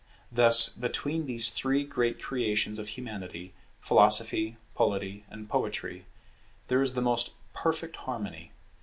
Thus between these three great creations of Humanity, Philosophy, Polity, and Poetry, there is the most perfect harmony.